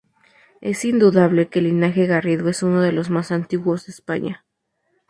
Es indudable que el linaje Garrido es uno de los más antiguos de España.